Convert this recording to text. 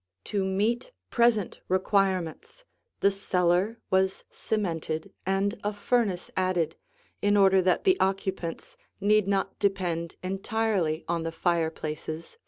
To meet present requirements, the cellar was cemented, and a furnace added, in order that the occupants need not depend entirely on the fireplaces for heat.